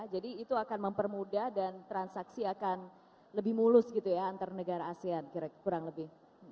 jadi itu akan mempermudah dan transaksi akan lebih mulus gitu ya antar negara asean kurang lebih